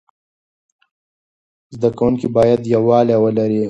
زده کوونکي باید یووالی ولري.